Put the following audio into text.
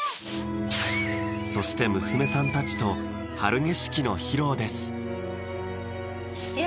そして娘さんたちと「春景色」の披露ですいや